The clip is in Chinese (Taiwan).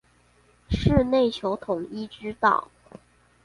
是內求統一之道